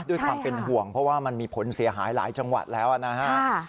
ด้วยความเป็นห่วงเพราะว่ามันมีผลเสียหายหลายจังหวัดแล้วนะฮะ